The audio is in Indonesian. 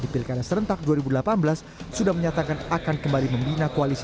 di pilkada serentak dua ribu delapan belas sudah menyatakan akan kembali membina koalisi